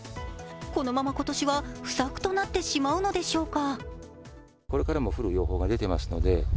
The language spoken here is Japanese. このまま今年は不作となってしまうのでしょうか。